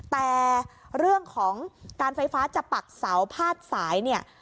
แต่เรื่องของการไฟฟ้าจะปักเสาพาดสายเนี่ย